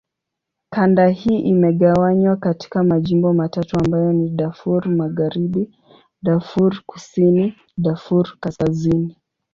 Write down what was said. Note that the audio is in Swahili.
Kanda hii imegawanywa katika majimbo matatu ambayo ni: Darfur Magharibi, Darfur Kusini, Darfur Kaskazini.